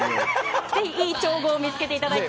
ぜひいい調合を見つけていただいて。